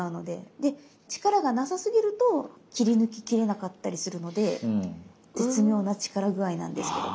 で力が無さすぎると切り抜ききれなかったりするので絶妙な力具合なんですけども。